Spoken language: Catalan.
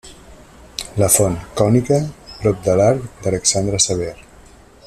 La font cònica prop de l'arc d'Alexandre Sever.